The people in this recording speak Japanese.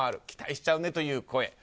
期待しちゃうねという声。